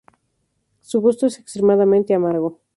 Su gusto es extremadamente amargo.